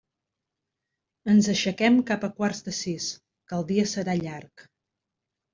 Ens aixequem cap a quarts de sis, que el dia serà llarg.